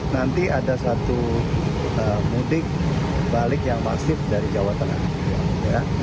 nanti ada satu mudik balik yang masif dari jawa tengah